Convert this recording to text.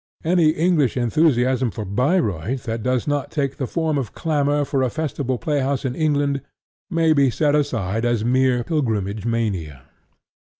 Any English enthusiasm for Bayreuth that does not take the form of clamor for a Festival Playhouse in England may be set aside as mere pilgrimage mania.